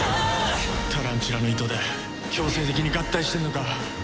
タランチュラの糸で強制的に合体してんのか。